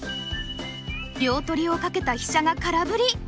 両取りをかけた飛車が空振り。